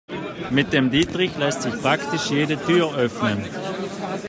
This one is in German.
Mit dem Dietrich lässt sich praktisch jede Tür öffnen.